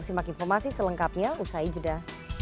simak informasi selengkapnya usai jeda